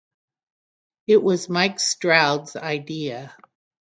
It was Mike Stroud's idea.